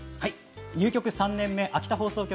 入局３年目秋田放送局